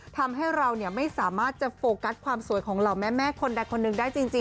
ทำให้เราไม่สามารถจะโฟกัสความสวยของเหล่าแม่คนใดคนหนึ่งได้จริง